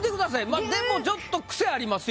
まあでもちょっと癖ありますよ。